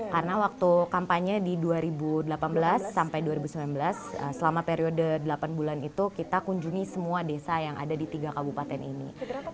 karena waktu kampanye di dua ribu delapan belas sampai dua ribu sembilan belas selama periode delapan bulan itu kita kunjungi semua desa yang ada di tiga kabupaten ini